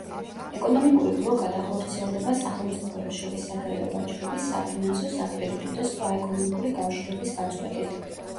ეკონომიკური ბლოკადა ხორციელდება სახელმწიფოებს შორის საგარეო ვაჭრობის, საფინანსო, საკრედიტო და სხვა ეკონომიკური კავშირების გაწყვეტით.